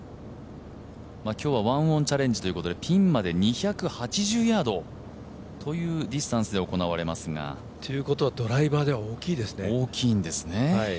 今日は１オンチャレンジということでピンまで２８０ヤードというディスタンスで行われますが、ということはドライバーでは大きいですね。